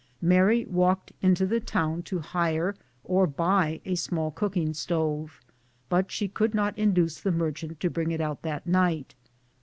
Mary walked into the town to hire or buy a small cooking stove, but she could not induce the merchant to bring it out that night.